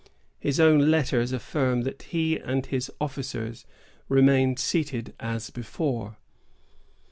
His own letters affirm that he and his officers remained seated as before.